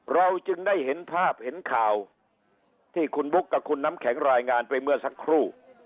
เราจึงได้เห็นภาพเห็นข่าวที่คุณบุ๊คกับคุณน้ำแข็งรายงานไปเมื่อสักครู่